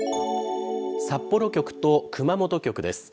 札幌局と熊本局です。